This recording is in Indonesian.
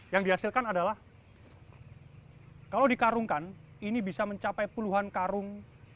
yang dihasilkan adalah kalau dikarungkan ini bisa mencapai puluhan karung